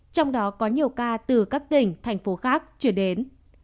trong đó có nhiều ca từ các tỉnh thành phố khác chuyển đến